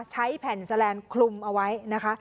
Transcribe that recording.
ใช้แผ่นแสลนด์คลุมเอาไว้นะคะ